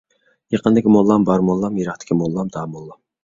يېقىندىكى موللام بار موللام، يىراقتىكى موللام داموللام.